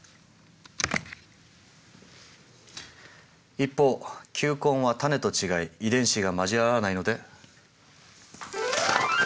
一方球根は種と違い遺伝子が交わらないので。